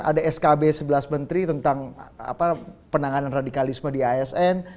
ada skb sebelas menteri tentang penanganan radikalisme di asn